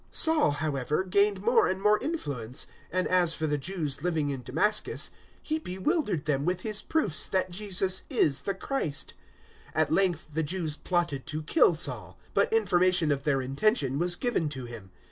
009:022 Saul, however, gained more and more influence, and as for the Jews living in Damascus, he bewildered them with his proofs that Jesus is the Christ. 009:023 At length the Jews plotted to kill Saul; 009:024 but information of their intention was given to him.